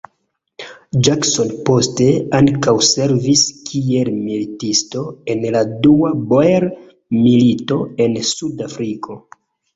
Jackson poste ankaŭ servis kiel militisto en la dua Boer-milito en Sud-Afriko.